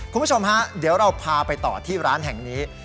คุณผู้ชมฮะเดี๋ยวเราพาไปต่อที่ร้านแห่งนี้